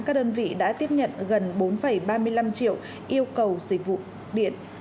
các đơn vị đã tiếp nhận gần bốn ba mươi năm triệu yêu cầu dịch vụ điện